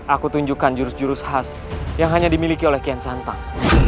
aku tunjukkan jurus jurus khas yang hanya dimiliki oleh kian santang